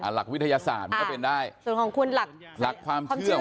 หลักวิทยาศาสตร์มันก็เป็นได้ส่วนของคุณหลักหลักความเชื่อของ